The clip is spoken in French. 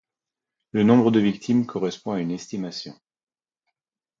Le nombre de victimes correspond à une estimation.